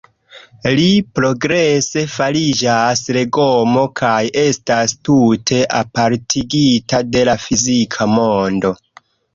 Li progrese fariĝas legomo, kaj estas tute apartigita de la fizika mondo.